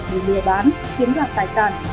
để lừa bán chiến đoạt tài sản